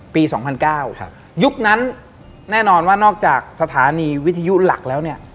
ปี๒๐๐๙ยุคนั้นแน่นอนว่านอกจากสถานีวิทยุหลักแล้วเนี่ย